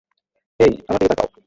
হেই, আমার দিকে তাকাও।